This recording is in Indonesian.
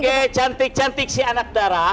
oke cantik cantik si anak darah